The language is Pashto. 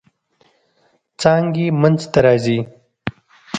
څانګې منځ ته راځي.